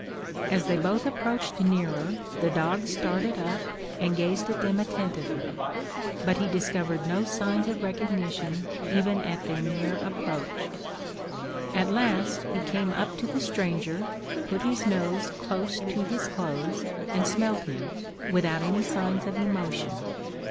As they both approached nearer, the dog started up, and gazed at them attentively; but he discovered no signs of recognition, even at their near approach. At last he came up to the stranger, put his nose close to his clothes, and smelt him, without any signs of emotion.